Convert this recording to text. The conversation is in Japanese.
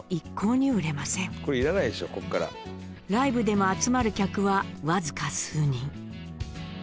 ライブでも集まる客は僅か数人。